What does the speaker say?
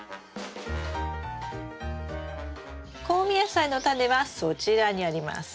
香味野菜のタネはそちらにあります。